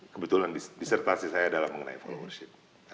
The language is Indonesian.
kebetulan disertasi saya adalah mengenai followership